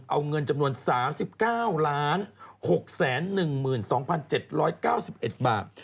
เอาเงินจำนวน๓๙๖๑๒๗๙๑บาท